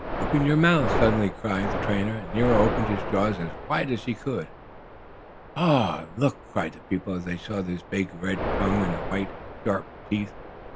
"Open your mouth!" suddenly cried the trainer, and Nero opened his jaws as wide as he could. "Oh! Ah! Look!" cried the people, as they saw his big, red tongue and the white, sharp teeth.